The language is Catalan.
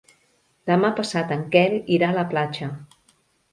Demà passat en Quel irà a la platja.